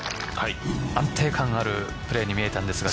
安定感あるプレーに見えたんですが。